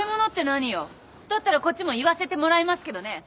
だったらこっちも言わせてもらいますけどね